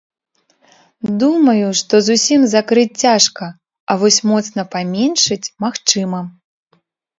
Думаю, што зусім закрыць цяжка, а вось моцна паменшыць магчыма.